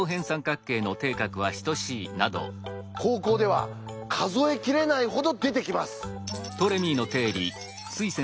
高校では数え切れないほど出てきます。